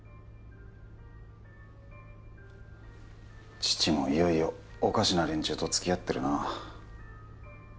父もいよいよおかしな連中とつきあってるなあ